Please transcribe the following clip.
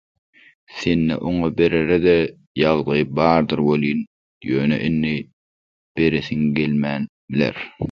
sende oňa berere-de ýagdaý bardyr welin, ýöne indi beresiň gelmän biler.